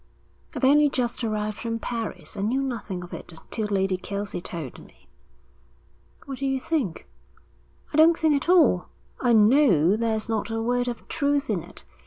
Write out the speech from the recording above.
'I've only just arrived from Paris. I knew nothing of it till Lady Kelsey told me.' 'What do you think?' 'I don't think at all; I know there's not a word of truth in it.